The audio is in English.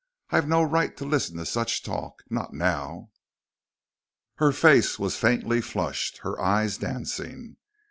I've no right to listen to such talk. Not now." Her face was faintly flushed, her eyes dancing.